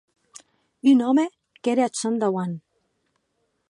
Un òme qu’ère ath sòn dauant.